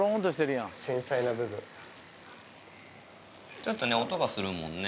ちょっとね、音がするもんね。